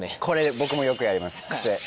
これ僕もよくやります癖。